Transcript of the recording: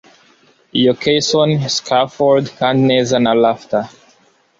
iyo caison, scafold kandi neza na rafter